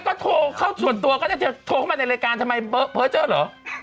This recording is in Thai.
ก็โทรเข้าส่วนตัวก็จะโทรมาในรายการเผิดเจอร์เหรอ